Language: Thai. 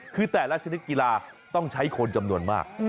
คือแต่ละชนิดกีฬาต้องใช้คนจำนวนมาก